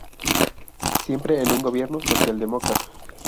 Siempre en un gobierno socialdemócrata.